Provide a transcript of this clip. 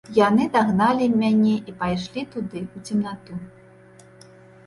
Яны дагналі мяне і пайшлі туды, у цемнату.